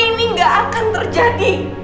dan semua ini gak akan terjadi